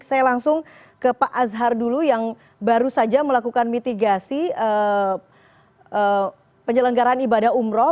saya langsung ke pak azhar dulu yang baru saja melakukan mitigasi penyelenggaran ibadah umroh